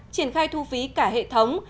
triển khai thu phí cả hệ thống